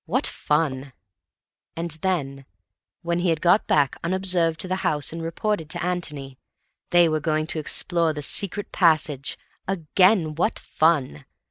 What fun! And then, when he had got back unobserved to the house and reported to Antony, they were going to explore the secret passage! Again, what fun!